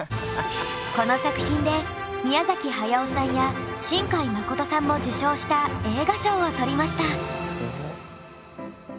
この作品で宮崎駿さんや新海誠さんも受賞した映画賞を取りました。